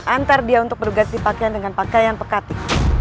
antar dia untuk berganti pakaian dengan pakaian pekatik